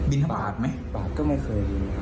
บินทางปากไหมครับปากก็ไม่เคย